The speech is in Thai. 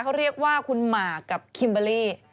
เขาเรียกว่าคุณหมากกับคิมเบอร์เล่